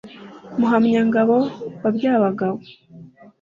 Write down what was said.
Muhamyangabo wa Byabagabo ??